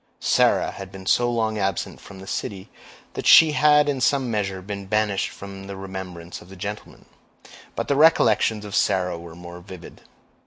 Sarah had been so long absent from the city, that she had in some measure been banished from the remembrance of the gentleman; but the recollections of Sarah were more vivid.